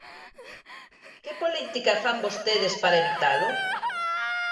Que política fan vostedes para evitalo?